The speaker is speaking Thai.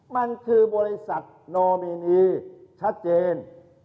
มันคือบริษัทนอมินีชัดเจน